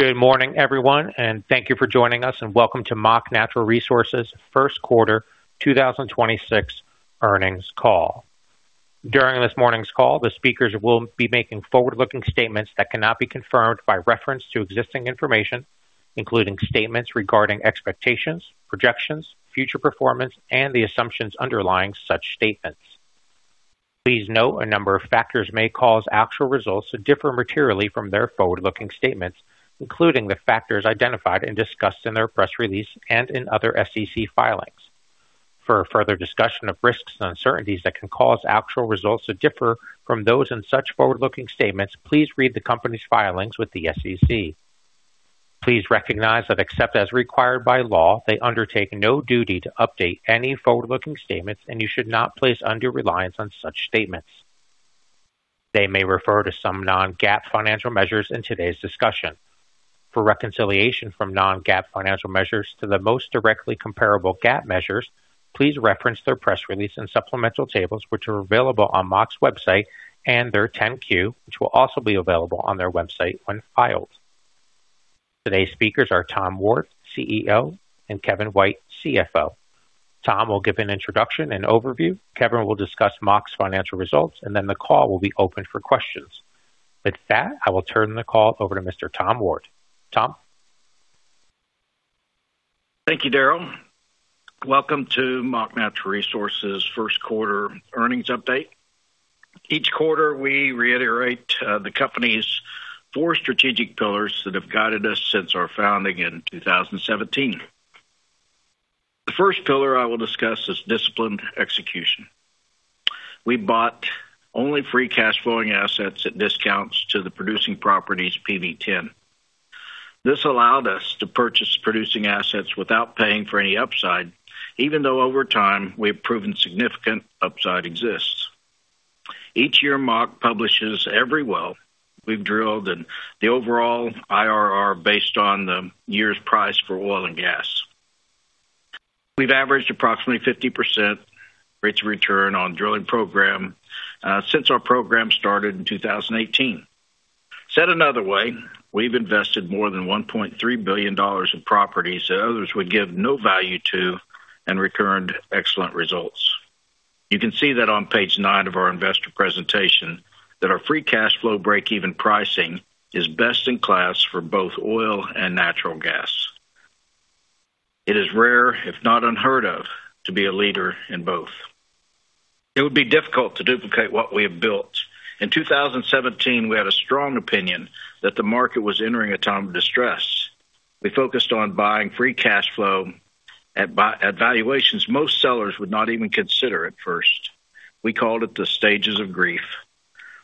Good morning, everyone, and thank you for joining us, and welcome to Mach Natural Resources first quarter 2026 earnings call. During this morning's call, the speakers will be making forward-looking statements that cannot be confirmed by reference to existing information, including statements regarding expectations, projections, future performance, and the assumptions underlying such statements. Please note a number of factors may cause actual results to differ materially from their forward-looking statements, including the factors identified and discussed in their press release and in other SEC filings. For a further discussion of risks and uncertainties that can cause actual results to differ from those in such forward-looking statements, please read the company's filings with the SEC. Please recognize that except as required by law, they undertake no duty to update any forward-looking statements, and you should not place undue reliance on such statements. They may refer to some non-GAAP financial measures in today's discussion. For reconciliation from non-GAAP financial measures to the most directly comparable GAAP measures, please reference their press release and supplemental tables, which are available on Mach's website and their 10-Q, which will also be available on their website when filed. Today's speakers are Tom Ward, CEO, and Kevin White, CFO. Tom will give an introduction and overview. Kevin will discuss Mach's financial results, and then the call will be open for questions. With that, I will turn the call over to Mr. Tom Ward. Tom? Thank you, Daryl. Welcome to Mach Natural Resources first quarter earnings update. Each quarter, we reiterate the company's four strategic pillars that have guided us since our founding in 2017. The first pillar I will discuss is disciplined execution. We bought only free cash flowing assets at discounts to the producing property's PV-10. This allowed us to purchase producing assets without paying for any upside, even though over time we have proven significant upside exists. Each year, Mach publishes every well we've drilled and the overall IRR based on the year's price for oil and gas. We've averaged approximately 50% rates of return on drilling program since our program started in 2018. Said another way, we've invested more than $1.3 billion in properties that others would give no value to and returned excellent results. You can see that on page 9 of our investor presentation that our free cash flow break-even pricing is best in class for both oil and natural gas. It is rare, if not unheard of, to be a leader in both. It would be difficult to duplicate what we have built. In 2017, we had a strong opinion that the market was entering a time of distress. We focused on buying free cash flow at valuations most sellers would not even consider at first. We called it the stages of grief.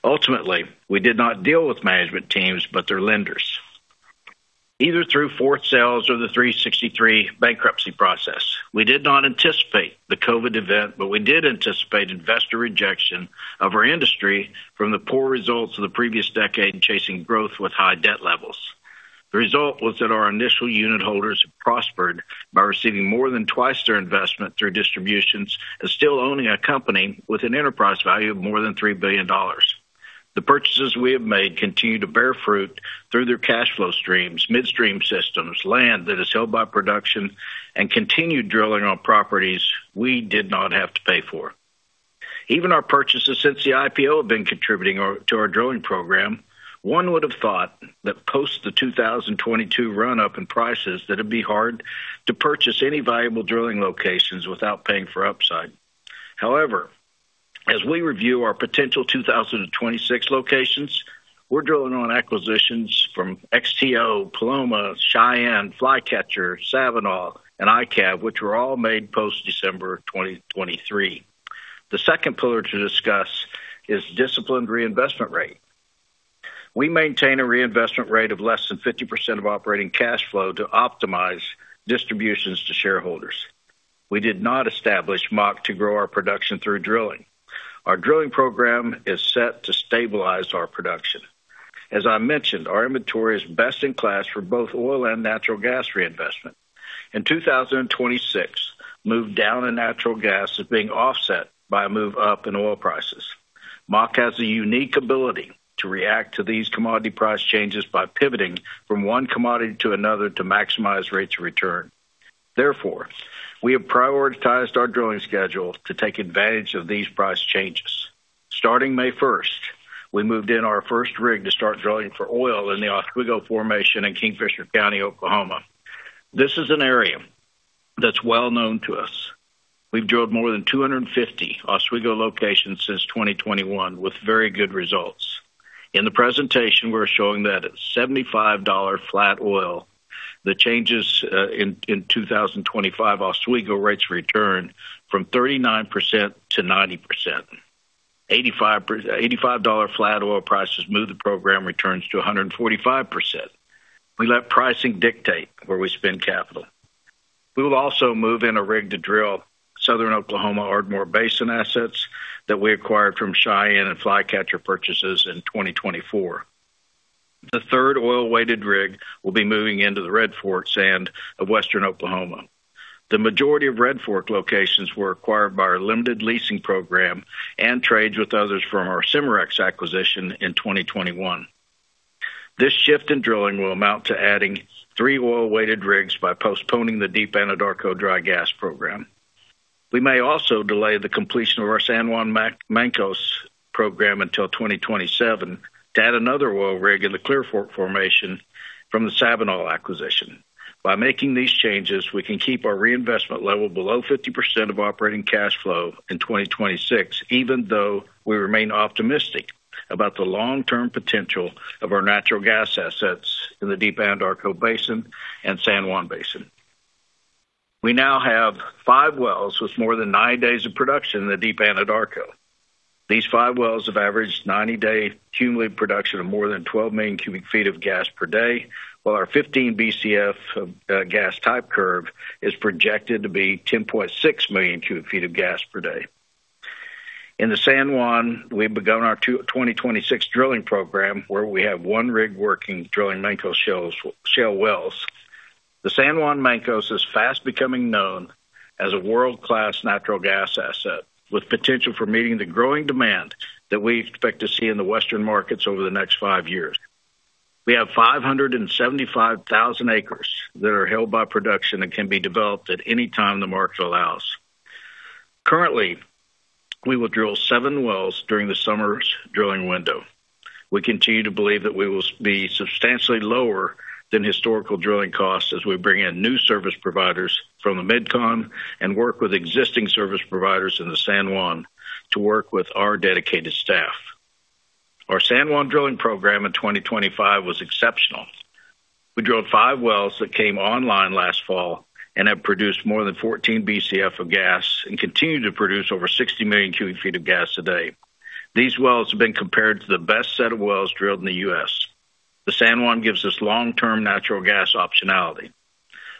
Ultimately, we did not deal with management teams, but their lenders. Either through forced sales or the Section 363 bankruptcy process, we did not anticipate the COVID event, but we did anticipate investor rejection of our industry from the poor results of the previous decade in chasing growth with high debt levels. The result was that our initial unitholders prospered by receiving more than twice their investment through distributions and still owning a company with an enterprise value of more than $3 billion. The purchases we have made continue to bear fruit through their cash flow streams, midstream systems, land that is held by production, and continued drilling on properties we did not have to pay for. Even our purchases since the IPO have been contributing to our drilling program. One would have thought that post the 2022 run-up in prices, that it'd be hard to purchase any valuable drilling locations without paying for upside. However, as we review our potential 2026 locations, we're drilling on acquisitions from XTO, Paloma, Cheyenne, Flycatcher, Sabinal, and IKAV, which were all made post-December 2023. The second pillar to discuss is disciplined reinvestment rate. We maintain a reinvestment rate of less than 50% of operating cash flow to optimize distributions to shareholders. We did not establish Mach to grow our production through drilling. Our drilling program is set to stabilize our production. As I mentioned, our inventory is best in class for both oil and natural gas reinvestment. In 2026, move down in natural gas is being offset by a move up in oil prices. Mach has a unique ability to react to these commodity price changes by pivoting from one commodity to another to maximize rates of return. We have prioritized our drilling schedule to take advantage of these price changes. Starting May 1st, we moved in our first rig to start drilling for oil in the Oswego formation in Kingfisher County, Oklahoma. This is an area that's well known to us. We've drilled more than 250 Oswego locations since 2021 with very good results. In the presentation, we're showing that at $75 flat oil, the changes in 2025 Oswego rates return from 39% to 90%. $85 flat oil prices move the program returns to 145%. We let pricing dictate where we spend capital. We will also move in a rig to drill southern Oklahoma Ardmore Basin assets that we acquired from Cheyenne and Flycatcher purchases in 2024. The third oil-weighted rig will be moving into the Red Fork sand of western Oklahoma. The majority of Red Fork locations were acquired by our limited leasing program and trades with others from our Cimarex acquisition in 2021. This shift in drilling will amount to adding three oil-weighted rigs by postponing the Deep Anadarko dry gas program. We may also delay the completion of our San Juan Mancos program until 2027 to add another oil rig in the Clear Fork formation from the Sabinal acquisition. By making these changes, we can keep our reinvestment level below 50% of operating cash flow in 2026, even though we remain optimistic about the long-term potential of our natural gas assets in the Deep Anadarko Basin and San Juan Basin. We now have five wells with more than 90 days of production in the Deep Anadarko. These five wells have averaged 90-day cumulative production of more than 12 million cu ft of gas per day, while our 15 billion cu ft of gas type curve is projected to be 10.6 million cu ft of gas per day. In the San Juan, we've begun our 2026 drilling program, where we have one rig working, drilling Mancos Shale wells. The San Juan Mancos is fast becoming known as a world-class natural gas asset with potential for meeting the growing demand that we expect to see in the Western markets over the next five years. We have 575,000 acres that are held by production and can be developed at any time the market allows. Currently, we will drill seven wells during the summer's drilling window. We continue to believe that we will be substantially lower than historical drilling costs as we bring in new service providers from the Mid-Con and work with existing service providers in the San Juan to work with our dedicated staff. Our San Juan drilling program in 2025 was exceptional. We drilled five wells that came online last fall and have produced more than 14 billion cu ft of gas and continue to produce over 60 million cu ft of gas today. These wells have been compared to the best set of wells drilled in the U.S. The San Juan gives us long-term natural gas optionality.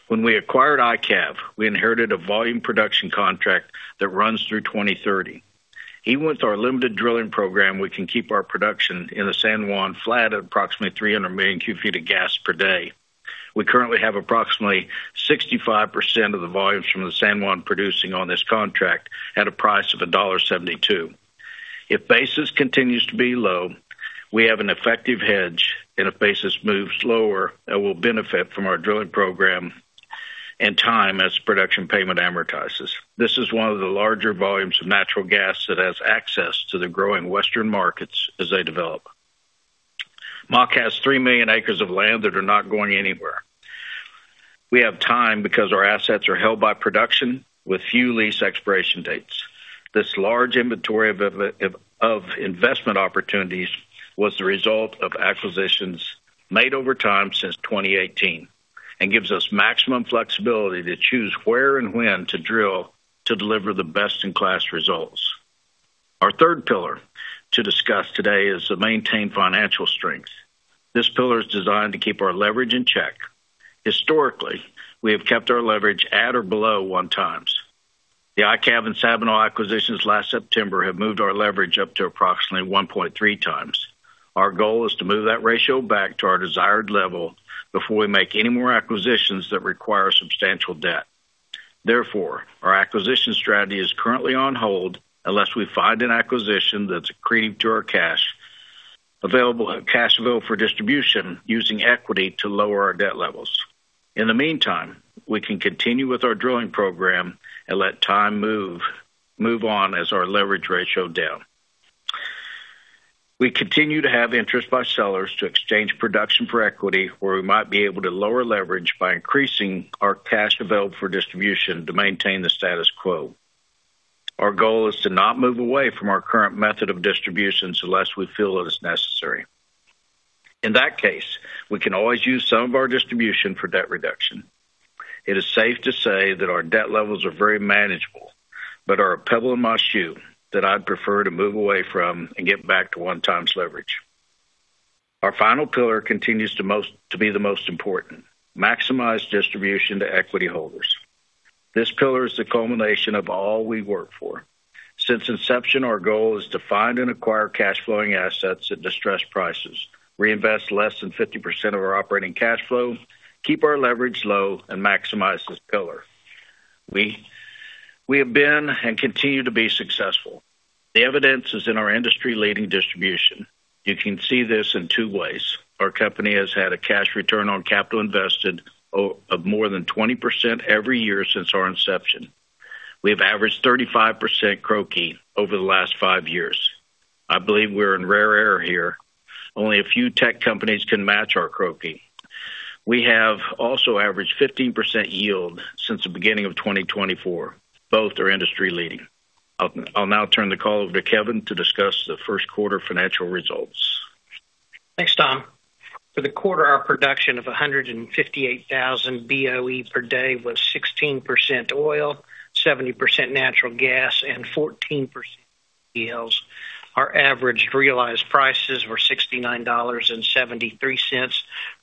When we acquired IKAV, we inherited a volume production contract that runs through 2030. Even with our limited drilling program, we can keep our production in the San Juan flat at approximately 300 million cu ft of gas per day. We currently have approximately 65% of the volumes from the San Juan producing on this contract at a price of $1.72. If basis continues to be low, we have an effective hedge, and if basis moves lower, it will benefit from our drilling program and time as production payment amortizes. This is one of the larger volumes of natural gas that has access to the growing Western markets as they develop. Mach has 3 million acres of land that are not going anywhere. We have time because our assets are held by production with few lease expiration dates. This large inventory of investment opportunities was the result of acquisitions made over time since 2018 and gives us maximum flexibility to choose where and when to drill to deliver the best-in-class results. Our third pillar to discuss today is to maintain financial strength. This pillar is designed to keep our leverage in check. Historically, we have kept our leverage at or below one time. The IKAV and Sabinal acquisitions last September have moved our leverage up to approximately 1.3x. Our goal is to move that ratio back to our desired level before we make any more acquisitions that require substantial debt. Therefore, our acquisition strategy is currently on hold unless we find an acquisition that's accretive to our cash flow for distribution using equity to lower our debt levels. In the meantime, we can continue with our drilling program and let time move on as our leverage ratio down. We continue to have interest by sellers to exchange production for equity, where we might be able to lower leverage by increasing our cash available for distribution to maintain the status quo. Our goal is to not move away from our current method of distribution unless we feel it is necessary. In that case, we can always use some of our distribution for debt reduction. It is safe to say that our debt levels are very manageable, but are a pebble in my shoe that I'd prefer to move away from and get back to one times leverage. Our final pillar continues to be the most important, maximize distribution to equity holders. This pillar is the culmination of all we work for. Since inception, our goal is to find and acquire cash flowing assets at distressed prices, reinvest less than 50% of our operating cash flow, keep our leverage low and maximize this pillar. We have been and continue to be successful. The evidence is in our industry-leading distribution. You can see this in two ways. Our company has had a cash return on capital invested of more than 20% every year since our inception. We have averaged 35% CROCI over the last five years. I believe we're in rare air here. Only a few tech companies can match our CROCI. We have also averaged 15% yield since the beginning of 2024. Both are industry-leading. I'll now turn the call over to Kevin to discuss the first quarter financial results. Thanks, Tom. For the quarter, our production of 158,000 BOE per day was 16% oil, 70% natural gas, and 14% NGLs. Our average realized prices were $69.73.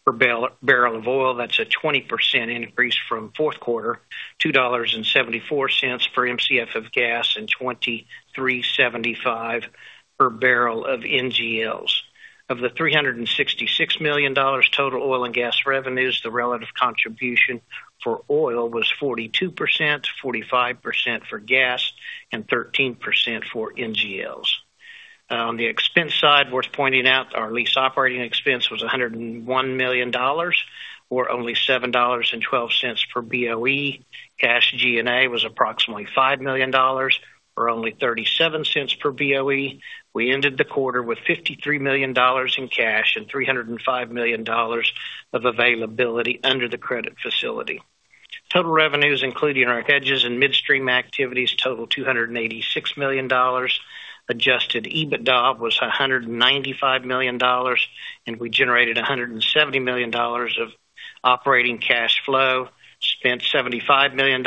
Per barrel of oil, that's a 20% increase from fourth quarter, $2.74 for Mcf of gas and $23.75 per barrel of NGLs. Of the $366 million total oil and gas revenues, the relative contribution for oil was 42%, 45% for gas, and 13% for NGLs. On the expense side, worth pointing out, our lease operating expense was $101 million, or only $7.12 per BOE. Cash G&A was approximately $5 million, or only $0.37 per BOE. We ended the quarter with $53 million in cash and $305 million of availability under the credit facility. Total revenues, including our hedges and midstream activities, total $286 million. Adjusted EBITDA was $195 million, we generated $170 million of operating cash flow. Spent $75 million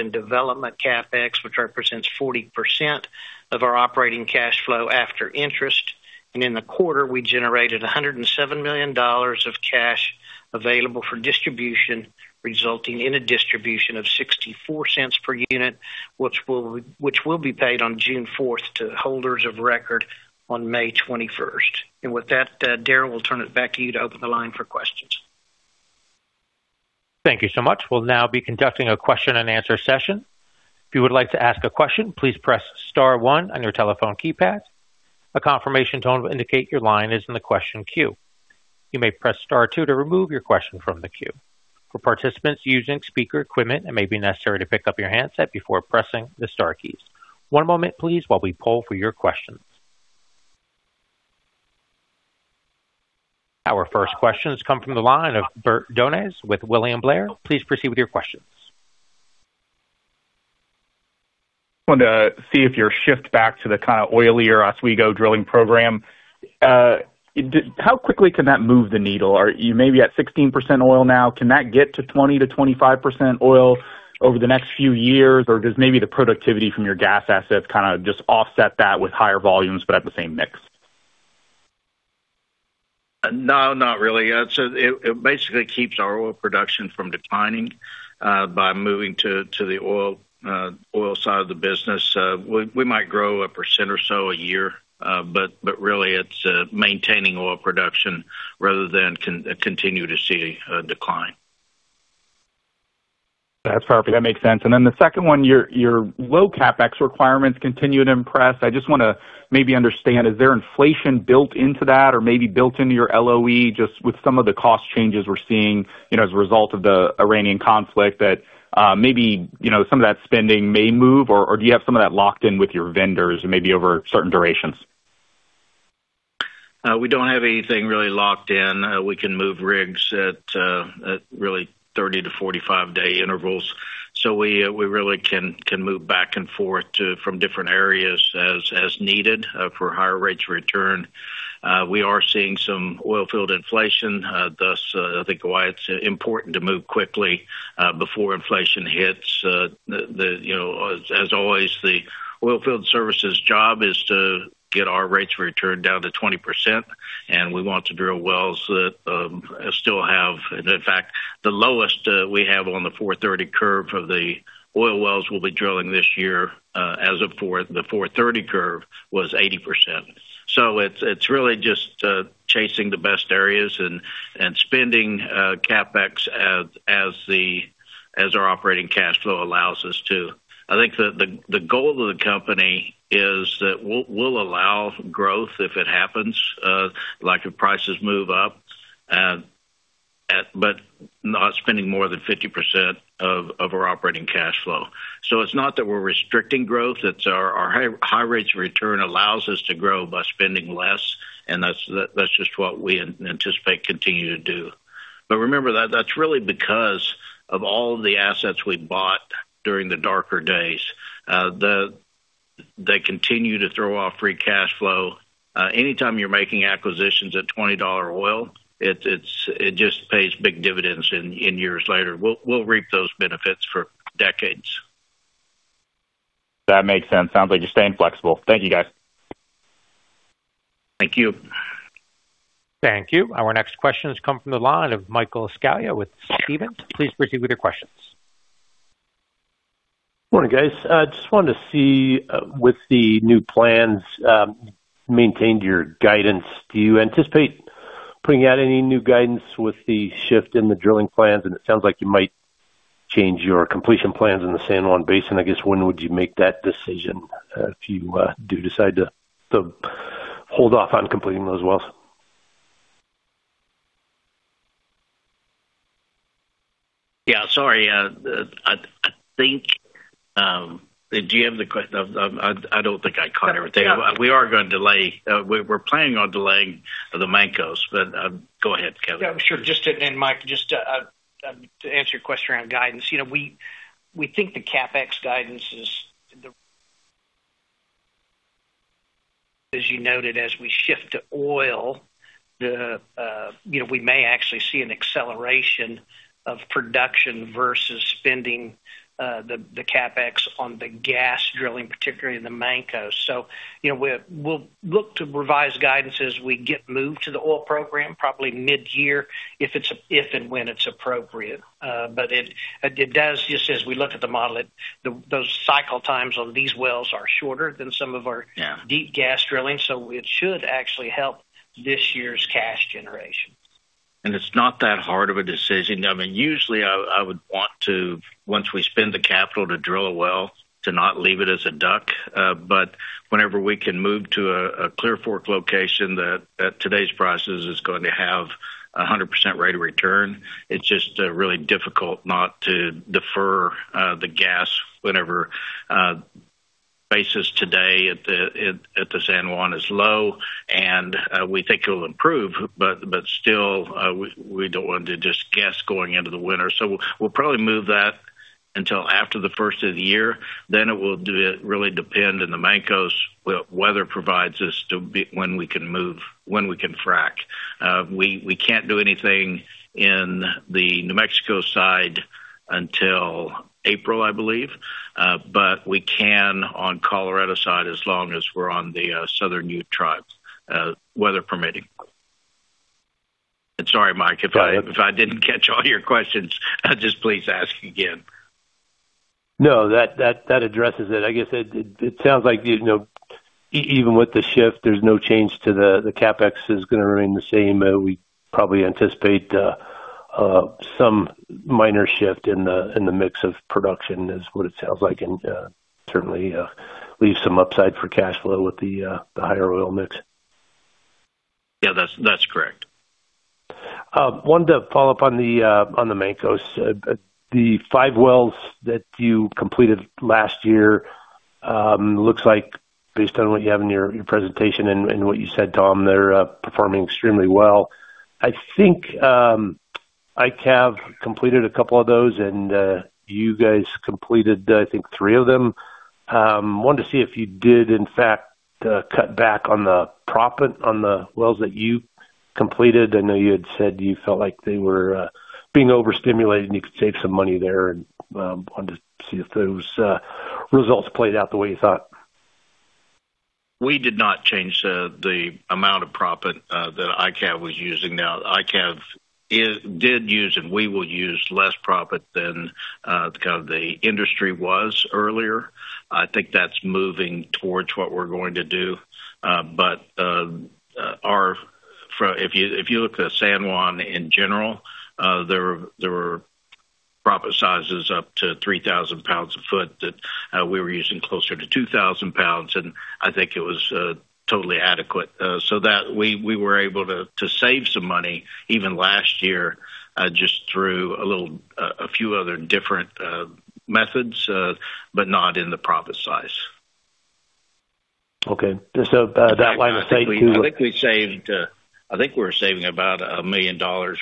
in development CapEx, which represents 40% of our operating cash flow after interest. In the quarter, we generated $107 million of cash available for distribution, resulting in a distribution of $0.64 per unit. Which will be paid on June 4th to holders of record on May 21st. With that, Daryl, we'll turn it back to you to open the line for questions. Thank you so much. We'll now be conducting a question-and-answer session. If you would like to ask a question, please press star one on your telephone keypad. A confirmation tone will indicate your line is in the question queue. You may press star two to remove your question from the queue. For participants using speaker equipment, it may be necessary to pick up your handset before pressing the star keys. One moment please while we poll for your questions. Our first question has come from the line of Bertrand Donnes with William Blair. Please proceed with your questions. Wanted to see if your shift back to the kind of oilier Oswego drilling program, how quickly can that move the needle? Are you maybe at 16% oil now, can that get to 20%-25% oil over the next few years? Does maybe the productivity from your gas assets kinda just offset that with higher volumes but at the same mix? No, not really. It basically keeps our oil production from declining, by moving to the oil side of the business. We might grow a percent or so a year, really it's maintaining oil production rather than continue to see a decline. That's perfect. That makes sense. The second one, your low CapEx requirements continue to impress. I just wanna maybe understand, is there inflation built into that or maybe built into your LOE, just with some of the cost changes we're seeing, you know, as a result of the Iranian conflict that, maybe, you know, some of that spending may move, or do you have some of that locked in with your vendors and maybe over certain durations? We don't have anything really locked in. We can move rigs at really 30 day-45 day intervals, so we really can move back and forth from different areas as needed for higher rates of return. We are seeing some oilfield inflation, thus I think why it's important to move quickly before inflation hits. The, you know, as always, the oilfield services job is to get our rates of return down to 20%, and we want to drill wells that still have. In fact, the lowest we have on the four thirty curve of the oil wells we'll be drilling this year, as of the four thirty curve, was 80%. It's really just chasing the best areas and spending CapEx as our operating cash flow allows us to. I think the goal of the company is that we'll allow growth if it happens, like if prices move up, but not spending more than 50% of our operating cash flow. It's not that we're restricting growth, it's our high rates of return allows us to grow by spending less, and that's just what we anticipate continuing to do. Remember that that's really because of all the assets we bought during the darker days. They continue to throw off free cash flow. Anytime you're making acquisitions at $20 oil, it just pays big dividends in years later. We'll reap those benefits for decades. That makes sense. Sounds like you're staying flexible. Thank you, guys. Thank you. Thank you. Our next question has come from the line of Michael Scialla with Stephens. Please proceed with your questions. Morning, guys. I just wanted to see, with the new plans, maintained your guidance. Do you anticipate putting out any new guidance with the shift in the drilling plans? It sounds like you might change your completion plans in the San Juan Basin. I guess when would you make that decision if you do decide to hold off on completing those wells? Yeah, sorry, I think, Do you have the question? I don't think I caught everything. We are gonna delay. We, we're planning on delaying the Mancos. Go ahead, Kevin. Yeah, sure. Just to Mike, just to answer your question around guidance. You know, we think the CapEx guidance is the as you noted, as we shift to oil, the, you know, we may actually see an acceleration of production versus spendin. The CapEx on the gas drilling, particularly in the Mancos. You know, we'll look to revise guidance as we get moved to the oil program probably mid-year if and when it's appropriate. It does, just as we look at the model, Those cycle times on these wells are shorter than some of our- Yeah. Deep gas drilling, so it should actually help this year's cash generation. It's not that hard of a decision. I mean, usually I would want to, once we spend the capital to drill a well, to not leave it as a DUC. Whenever we can move to a Clear Fork location that, at today's prices is going to have a 100% rate of return, it's just really difficult not to defer the gas whenever basis today at the San Juan is low and we think it'll improve. Still, we don't want to just guess going into the winter. We'll probably move that until after the first of the year, it will really depend in the Mancos weather provides us to be when we can move, when we can frack. We can't do anything in the New Mexico side until April, I believe. We can on Colorado side as long as we're on the Southern Ute Indian Tribe, weather permitting. Sorry, Michael. Go ahead. If I didn't catch all your questions, just please ask again. No, that addresses it. I guess it sounds like, you know, even with the shift, there's no change to the CapEx is gonna remain the same. We probably anticipate some minor shift in the mix of production is what it sounds like, and certainly leave some upside for cash flow with the higher oil mix. Yeah, that's correct. Wanted to follow up on the Mancos. The five wells that you completed last year, looks like based on what you have in your presentation and what you said, Tom, they're performing extremely well. I think IKAV completed a couple of those, and you guys completed, I think, three of them. Wanted to see if you did in fact cut back on the proppant on the wells that you completed. I know you had said you felt like they were being overstimulated and you could save some money there and wanted to see if those results played out the way you thought. We did not change the amount of proppant that IKAV was using. IKAV did use, and we will use less proppant than kind of the industry was earlier. I think that's moving towards what we're going to do. If you look at San Juan in general, there were proppant sizes up to 3,000 pounds a foot that we were using closer to 2,000 pounds, and I think it was totally adequate. That we were able to save some money even last year, just through a few other different methods, but not in the proppant size. Okay. Just so, that line of sight. I think we saved, I think we were saving about $1 million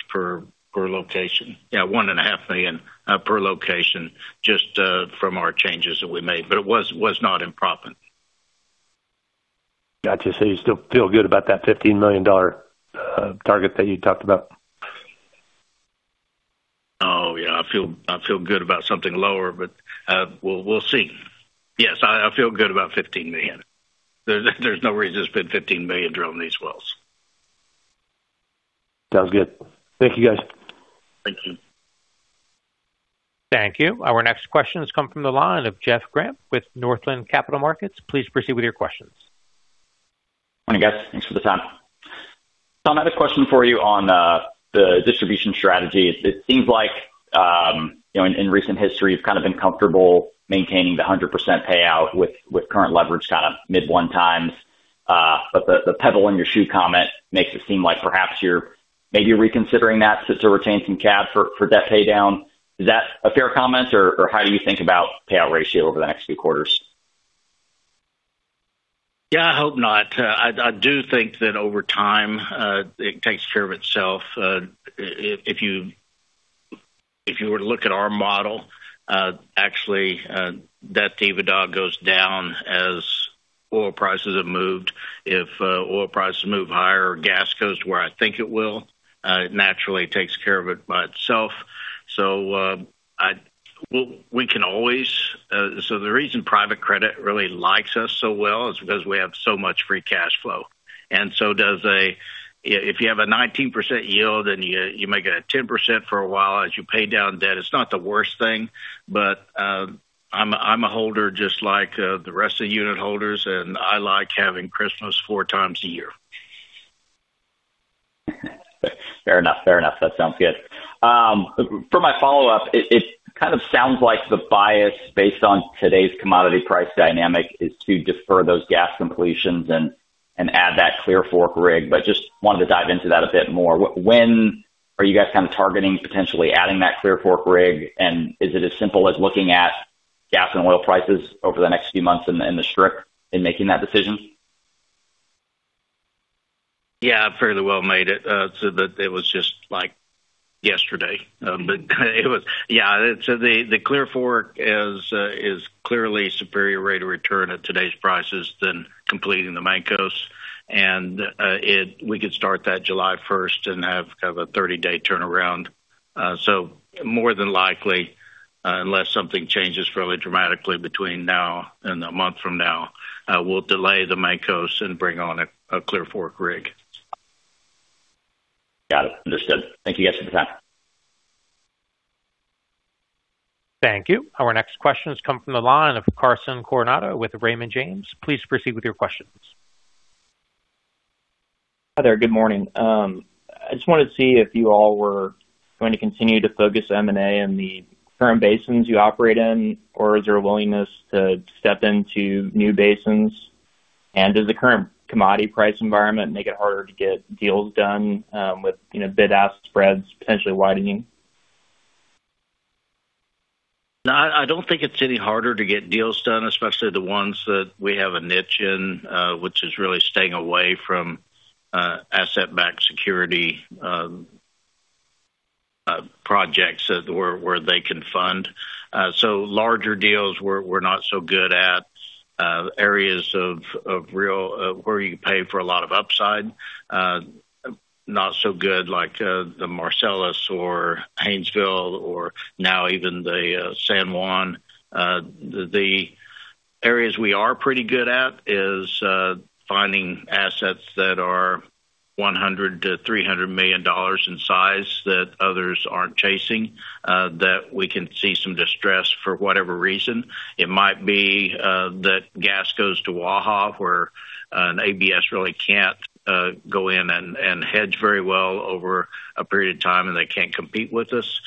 per location. Yeah, $1.5 million per location just from our changes that we made, but it was not in proppant. Gotcha. You still feel good about that $15 million target that you talked about? Oh, yeah. I feel good about something lower. We'll see. Yes, I feel good about $15 million. There's no reason to spend $15 million drilling these wells. Sounds good. Thank you, guys. Thank you. Thank you. Our next question has come from the line of Jeff Grampp with Northland Capital Markets. Please proceed with your questions. Morning, guys. Thanks for the time. Tom, I have a question for you on the distribution strategy. It seems like, you know, in recent history, you've kind of been comfortable maintaining the 100% payout with current leverage kind of mid-one times. The pebble in your shoe comment makes it seem like perhaps you're maybe reconsidering that to retain some cash for debt pay down. Is that a fair comment or how do you think about payout ratio over the next few quarters? Yeah, I hope not. I do think that over time, it takes care of itself. If you were to look at our model, actually, debt to EBITDA goes down as oil prices have moved. If oil prices move higher or gas goes to where I think it will, it naturally takes care of it by itself. We can always. The reason private credit really likes us so well is because we have so much free cash flow. If you have a 19% yield and you make it a 10% for a while as you pay down debt, it's not the worst thing. I'm a holder just like the rest of the unit holders, and I like having Christmas four times a year. Fair enough. Fair enough. That sounds good. For my follow-up, it kind of sounds like the bias based on today's commodity price dynamic is to defer those gas completions and add that Clear Fork rig. Just wanted to dive into that a bit more. When are you guys kind of targeting potentially adding that Clear Fork rig? Is it as simple as looking at gas and oil prices over the next few months in the strip in making that decision? Yeah, I fairly well made it so that it was just like yesterday. It was Yeah. The Clear Fork is clearly a superior rate of return at today's prices than completing the Mancos. We could start that July first and have kind of a 30-day turnaround. More than likely, unless something changes really dramatically between now and a month from now, we'll delay the Mancos and bring on a Clear Fork rig. Got it. Understood. Thank you guys for the time. Thank you. Our next question has come from the line of Carson Coronado with Raymond James. Please proceed with your questions. Hi there. Good morning. I just wanted to see if you all were going to continue to focus M&A in the current basins you operate in, or is there a willingness to step into new basins? Does the current commodity price environment make it harder to get deals done, with, you know, bid-ask spreads potentially widening? No, I don't think it's any harder to get deals done, especially the ones that we have a niche in, which is really staying away from asset-backed security, projects that where they can fund. Larger deals we're not so good at, areas of real where you pay for a lot of upside. Not so good like the Marcellus or Haynesville or now even the San Juan. The areas we are pretty good at is finding assets that are $100 million-$300 million in size that others aren't chasing, that we can see some distress for whatever reason. It might be that gas goes to Waha, where an ABS really can't go in and hedge very well over a period of time, and they can't compete with us.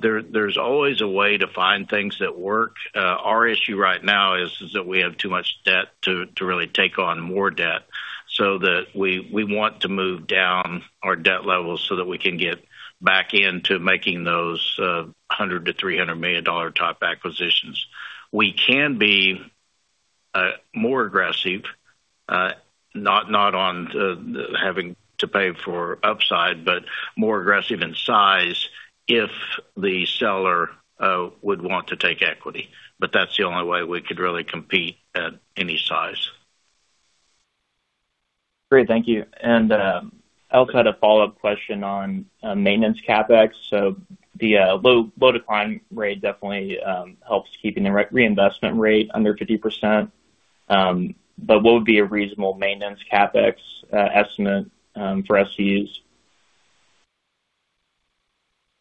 There's always a way to find things that work. Our issue right now is that we have too much debt to really take on more debt, so that we want to move down our debt levels so that we can get back into making those $100 million-$300 million type acquisitions. We can be more aggressive, not on the having to pay for upside, but more aggressive in size if the seller would want to take equity. That's the only way we could really compete at any size. Great. Thank you. I also had a follow-up question on maintenance CapEx. The low decline rate definitely helps keeping the reinvestment rate under 50%. What would be a reasonable maintenance CapEx estimate for us to use?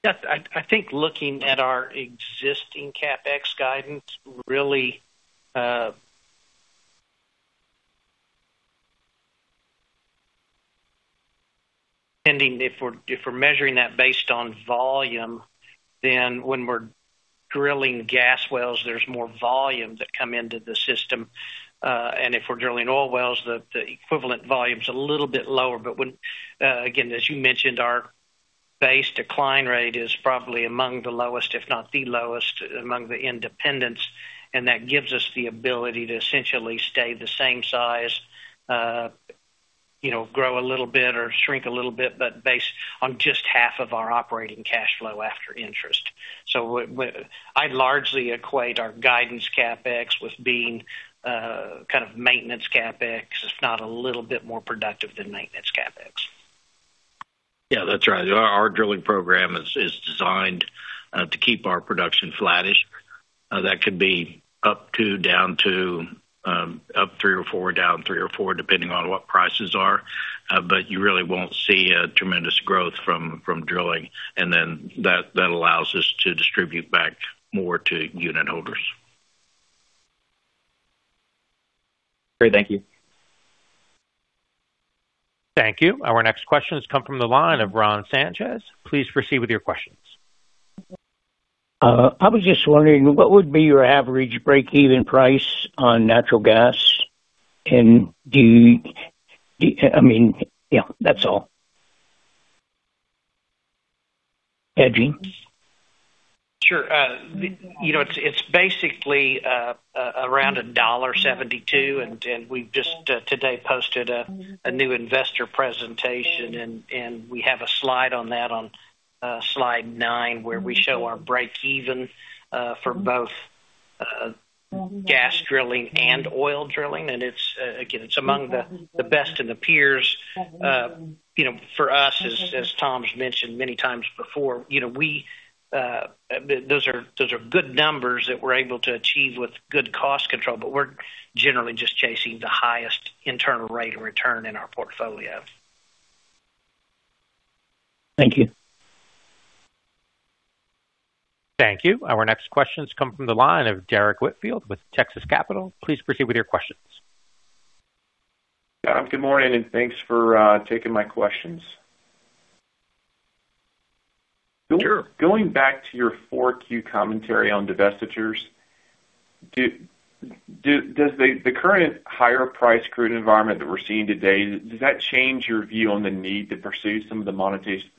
Yes. I think looking at our existing CapEx guidance really. Depending if we're measuring that based on volume, when we're drilling gas wells, there's more volume that come into the system. If we're drilling oil wells, the equivalent volume is a little bit lower. When, again, as you mentioned, our base decline rate is probably among the lowest, if not the lowest among the independents. That gives us the ability to essentially stay the same size, you know, grow a little bit or shrink a little bit, based on just half of our operating cash flow after interest. I largely equate our guidance CapEx with being kind of maintenance CapEx. It's not a little bit more productive than maintenance CapEx. Yeah, that's right. Our drilling program is designed to keep our production flattish. That could be up to, down to, up three or four, down three or four, depending on what prices are. You really won't see a tremendous growth from drilling. That allows us to distribute back more to unitholders. Great. Thank you. Thank you. Our next question has come from the line of [Ron Sanchez]. Please proceed with your questions. I was just wondering, what would be your average break-even price on natural gas? I mean, Yeah, that's all. Edging. Sure. you know, it's basically around $1.72, and we've just today posted a new investor presentation. We have a slide on that on slide 9, where we show our break even for both gas drilling and oil drilling. It's again among the best in the peers. you know, for us, as Tom's mentioned many times before, you know, we, those are good numbers that we're able to achieve with good cost control, but we're generally just chasing the highest internal rate of return in our portfolio. Thank you. Thank you. Our next question's come from the line of Derrick Whitfield with Texas Capital. Please proceed with your questions. Tom, good morning, thanks for taking my questions. Sure. Going back to your four Q commentary on divestitures, does the current higher priced crude environment that we're seeing today, does that change your view on the need to pursue some of the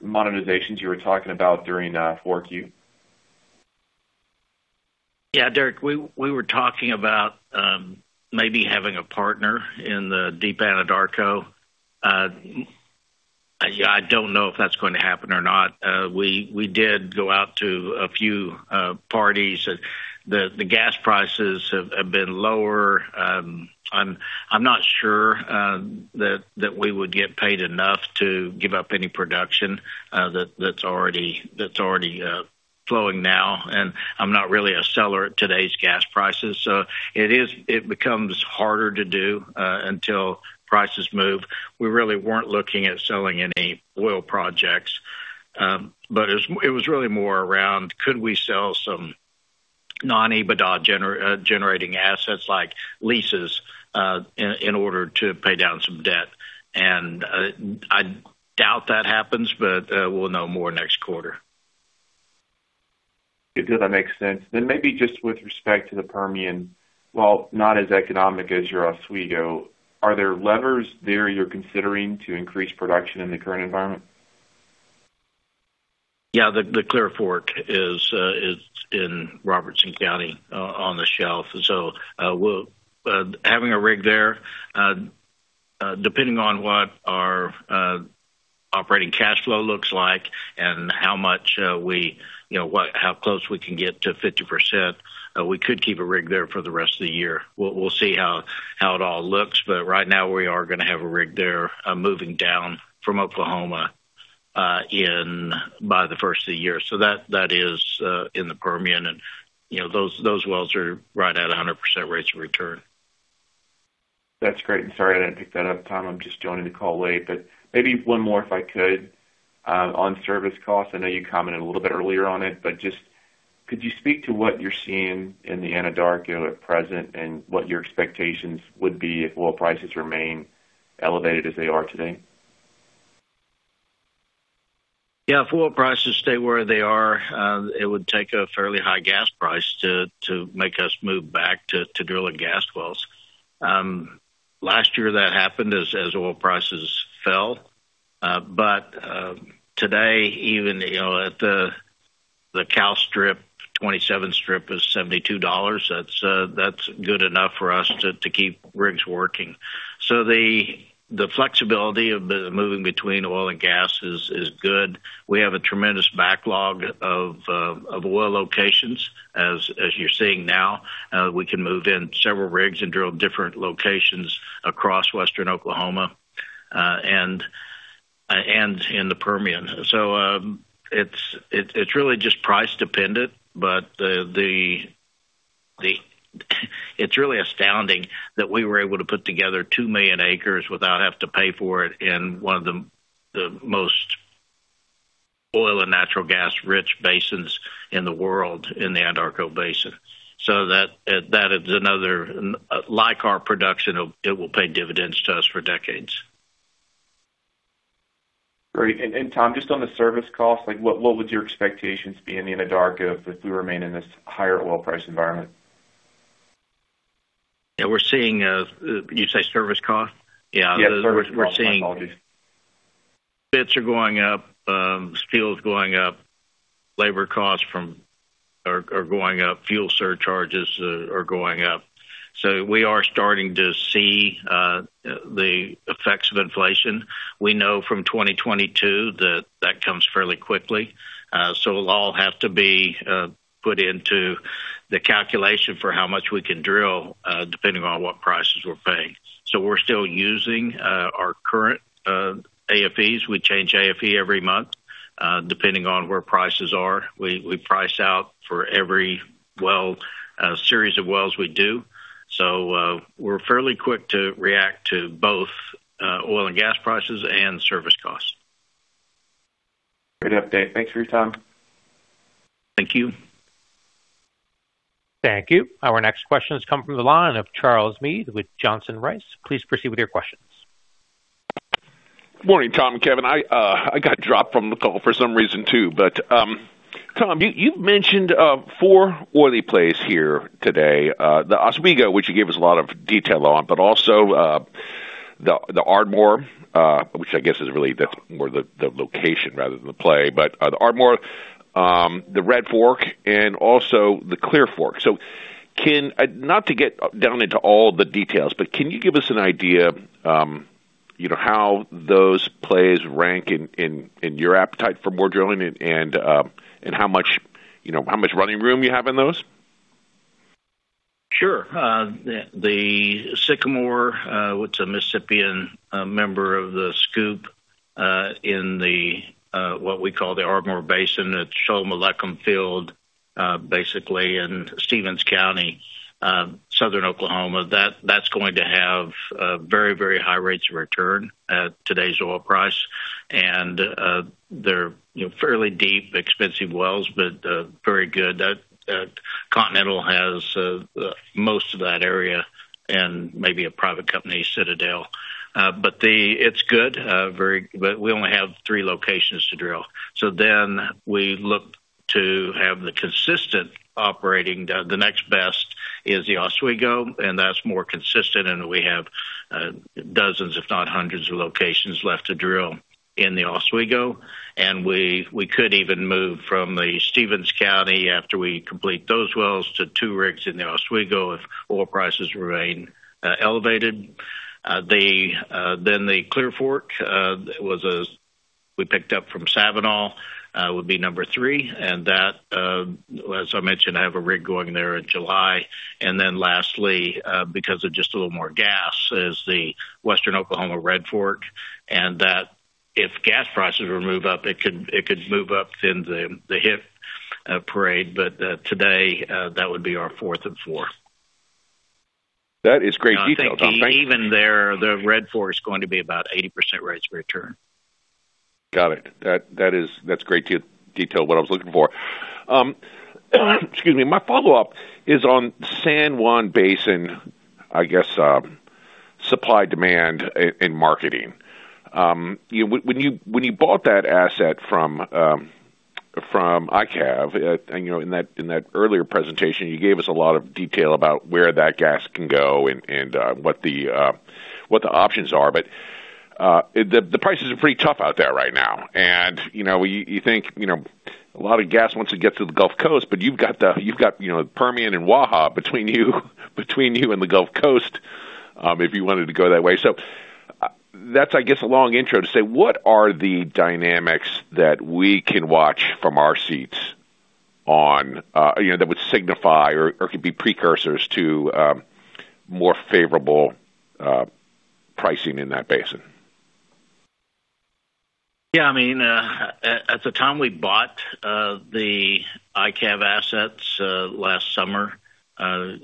monetizations you were talking about during four Q? Derrick, we were talking about maybe having a partner in the Deep Anadarko. I don't know if that's going to happen or not. We did go out to a few parties. The gas prices have been lower. I'm not sure that we would get paid enough to give up any production that's already flowing now. I'm not really a seller at today's gas prices, so it becomes harder to do until prices move. We really weren't looking at selling any oil projects. But it was really more around could we sell some non-EBITDA generating assets like leases in order to pay down some debt. I doubt that happens, but we'll know more next quarter. It does make sense. Maybe just with respect to the Permian, while not as economic as your Oswego, are there levers there you're considering to increase production in the current environment? The Clear Fork is in Robertson County on the shelf. We'll having a rig there, depending on what our operating cash flow looks like and how much we, you know, how close we can get to 50%, we could keep a rig there for the rest of the year. We'll see how it all looks, right now we are gonna have a rig there, moving down from Oklahoma, in by the first of the year. That is in the Permian. You know, those wells are right at 100% rates of return. That's great. sorry, I didn't pick that up, Tom. I'm just joining the call late. maybe one more, if I could, on service costs. I know you commented a little bit earlier on it, but just could you speak to what you're seeing in the Anadarko at present and what your expectations would be if oil prices remain elevated as they are today? Yeah. If oil prices stay where they are, it would take a fairly high gas price to make us move back to drilling gas wells. Last year that happened as oil prices fell. Today, even, you know, at the Cal strip, 27 strip is $72. That's good enough for us to keep rigs working. The flexibility of the moving between oil and gas is good. We have a tremendous backlog of oil locations. As you're seeing now, we can move in several rigs and drill different locations across Western Oklahoma, and in the Permian. It's really just price dependent, but it's really astounding that we were able to put together 2 million acres without having to pay for it in one of the most oil and natural gas rich basins in the world, in the Anadarko Basin. That is another like our production, it will pay dividends to us for decades. Great. And Tom, just on the service cost, like what would your expectations be in the Anadarko if we remain in this higher oil price environment? Yeah. We're seeing, You say service cost? Yeah. Yeah. Service cost. My apologies. We're seeing bits are going up, steel is going up, labor costs are going up, fuel surcharges are going up. We are starting to see the effects of inflation. We know from 2022 that that comes fairly quickly. It'll all have to be put into the calculation for how much we can drill, depending on what prices we're paying. We're still using our current AFEs. We change AFE every month, depending on where prices are. We price out for every well, series of wells we do. We're fairly quick to react to both oil and gas prices and service costs. Great update. Thanks for your time. Thank you. Thank you. Our next question has come from the line of Charles Meade with Johnson Rice. Please proceed with your questions. Good morning, Tom and Kevin. I got dropped from the call for some reason too. Tom, you've mentioned four oily plays here today. The Oswego, which you gave us a lot of detail on, also the Ardmore, which I guess is really the location rather than the play, the Ardmore, the Red Fork, and also the Clear Fork. Can not to get down into all the details, but can you give us an idea, you know, how those plays rank in your appetite for more drilling and how much, you know, how much running room you have in those? Sure. The Sycamore, it's a Mississippian member of the SCOOP in the what we call the Ardmore Basin. It's Sholem Alechem Field, basically in Stephens County, Southern Oklahoma. That's going to have very, very high rates of return at today's oil price. They're, you know, fairly deep, expensive wells, but very good. Continental has most of that area and maybe a private company, Citadel. It's good, we only have three locations to drill. We look to have the consistent operating. The next best is the Oswego, and that's more consistent, and we have dozens, if not hundreds of locations left to drill in the Oswego. We could even move from the Stephens County after we complete those wells to two rigs in the Oswego if oil prices remain elevated. The Clear Fork was a We picked up from Sabinal would be number three, and that, as I mentioned, I have a rig going there in July. Lastly, because of just a little more gas, is the Western Oklahoma Red Fork, and that if gas prices were to move up, it could move up in the hit parade. Today, that would be our fourth and fourth. That is great detail, Tom. Thank you. I think even there, the Red Fork is going to be about 80% rates of return. Got it. That's great detail, what I was looking for. Excuse me. My follow-up is on San Juan Basin, I guess, supply-demand and marketing. You know, when you bought that asset from IKAV, and, you know, in that earlier presentation, you gave us a lot of detail about where that gas can go and what the options are. The prices are pretty tough out there right now. You know, you think, you know, a lot of gas wants to get to the Gulf Coast, but you've got the Permian and Waha between you and the Gulf Coast, if you wanted to go that way. That's, I guess, a long intro to say what are the dynamics that we can watch from our seats on, you know, that would signify or could be precursors to, more favorable, pricing in that basin? Yeah, I mean, at the time we bought the IKAV assets last summer,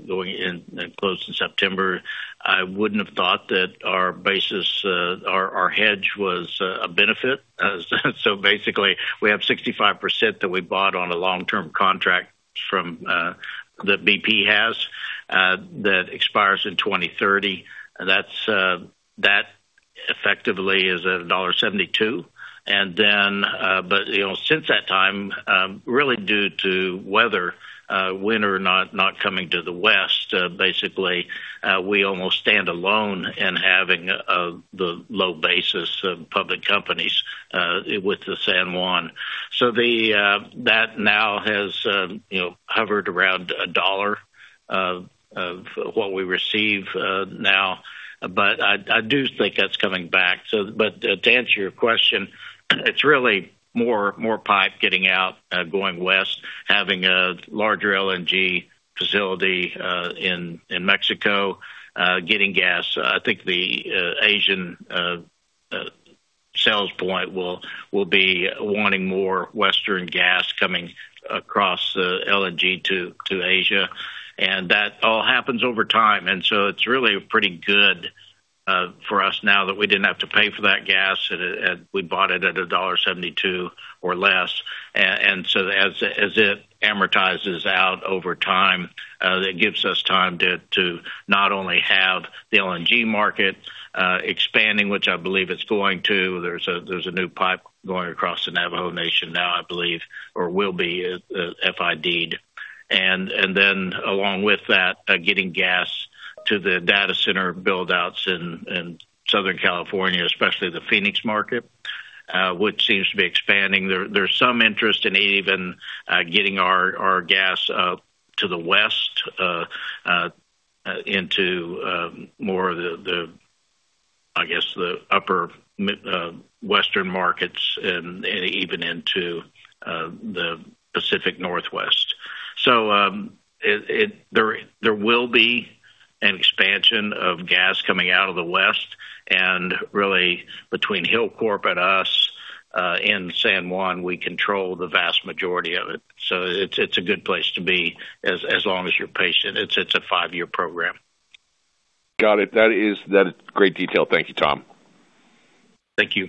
going in and closed in September, I wouldn't have thought that our basis, our hedge was a benefit. Basically, we have 65% that we bought on a long-term contract from BP that expires in 2030. That's that effectively is at $1.72. You know, since that time, really due to weather, winter not coming to the West, basically, we almost stand alone in having the low basis of public companies with the San Juan. That now has, you know, hovered around $1 of what we receive now. I do think that's coming back. But to answer your question, it's really more pipe getting out, going west, having a larger LNG facility in Mexico, getting gas. I think the Asian sales point will be wanting more Western gas coming across LNG to Asia. That all happens over time. It's really pretty good for us now that we didn't have to pay for that gas. We bought it at $1.72 or less. As it amortizes out over time, that gives us time to not only have the LNG market expanding, which I believe it's going to. There's a new pipe going across the Navajo Nation now, I believe, or will be FID'd. Along with that, getting gas to the data center build outs in Southern California, especially the Phoenix market, which seems to be expanding. There's some interest in even getting our gas to the west into more of the upper mid western markets and even into the Pacific Northwest. There will be an expansion of gas coming out of the West. Really between Hilcorp and us in San Juan, we control the vast majority of it. It's a good place to be as long as you're patient. It's a five-year program. Got it. That is great detail. Thank you, Tom. Thank you.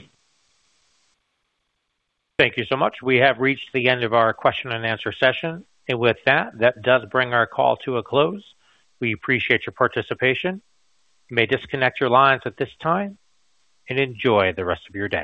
Thank you so much. We have reached the end of our question and answer session. With that does bring our call to a close. We appreciate your participation. You may disconnect your lines at this time, and enjoy the rest of your day.